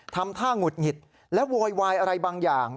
ทำท่าหงุดหงิดและโวยวายอะไรบางอย่าง